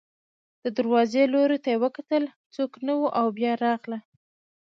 د دروازې لوري ته یې وکتل، څوک نه و او بیا راغله.